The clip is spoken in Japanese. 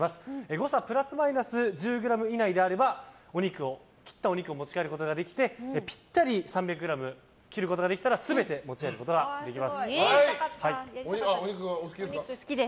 誤差プラスマイナス１０ｇ以内であれば切ったお肉を持ち帰ることができてぴったりに３００ｇ切ることができればお肉お好きですか？